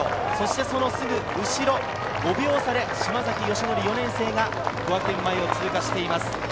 そのすぐ後ろ、５秒差で島崎慎愛・４年生が小涌園前を通過していきます。